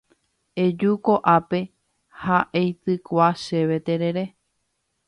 eju ko'ápe ha eitykua chéve terere